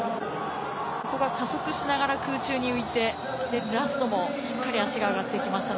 ここが加速しながら空中に浮いてラストもしっかり足が上がっていきましたね。